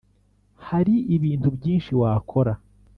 hari ibintu byinshi wakora.